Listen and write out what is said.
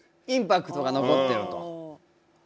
インパクトが残ってると。